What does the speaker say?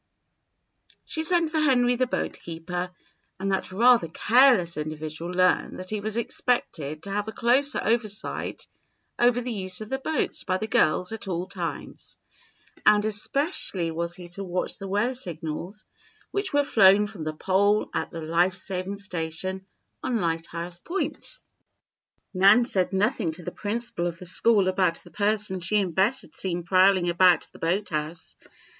She sent for Henry, the boatkeeper, and that rather careless individual learned that he was expected to have a closer oversight over the use of the boats by the girls at all times; and especially was he to watch the weather signals which were flown from the pole at the life saving station on Lighthouse Point. Nan said nothing to the principal of the school about the person she and Bess had seen prowling about the boathouse.